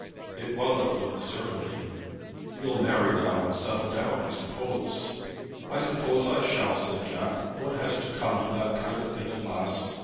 "It was a fluke, certainly." "You'll marry now and settle down, I suppose?" "I suppose I shall," said Jack. "One has to come to that kind of thing at last.